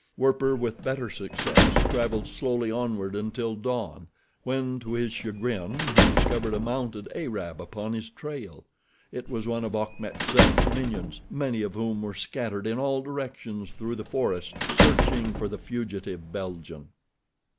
Werper, with better success, traveled slowly onward until dawn, when, to his chagrin, he discovered a mounted Arab upon his trail. It was one of Achmet Zek's minions, many of whom were scattered in all directions through the forest, searching for the fugitive Belgian.